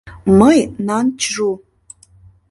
— Мый — Нан Чжу.